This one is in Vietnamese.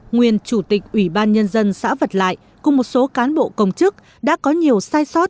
nguyên chủ tịch ủy ban nhân dân xã vật lại cùng một số cán bộ công chức đã có nhiều sai sót